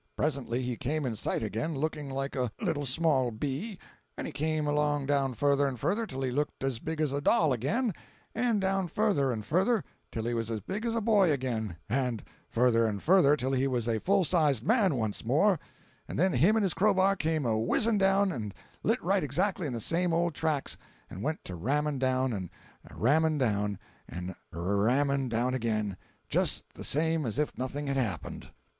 Presently he came in sight again, looking like a little small bee—and he came along down further and further, till he looked as big as a doll again—and down further and further, till he was as big as a boy again—and further and further, till he was a full sized man once more; and then him and his crowbar came a wh izzing down and lit right exactly in the same old tracks and went to r ramming down, and r ramming down, and r ramming down again, just the same as if nothing had happened!